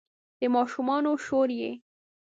د ماشومانو شور یې